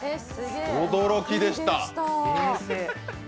驚きでした。